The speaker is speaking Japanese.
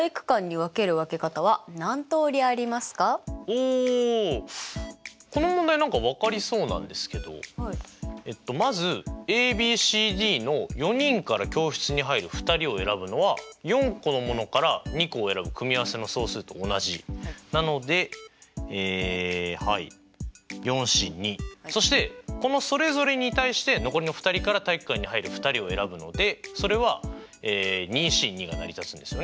おおこの問題何か分かりそうなんですけどまずＡＢＣＤの４人から教室に入る２人を選ぶのは４個のものから２個を選ぶ組合せの総数と同じなのでそしてこのそれぞれに対して残りの２人から体育館に入る２人を選ぶのでそれはＣが成り立つんですよね。